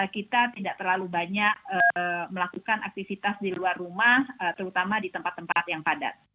kita tidak terlalu banyak melakukan aktivitas di luar rumah terutama di tempat tempat yang padat